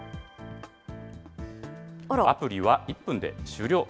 アプリは１分で終了。